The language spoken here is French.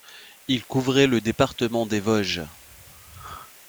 Il couvrait le département des Vosges.